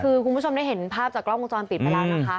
คือคุณผู้ชมได้เห็นภาพจากกล้องวงจรปิดไปแล้วนะคะ